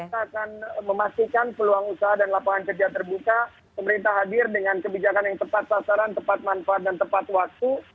kita akan memastikan peluang usaha dan lapangan kerja terbuka pemerintah hadir dengan kebijakan yang tepat sasaran tepat manfaat dan tepat waktu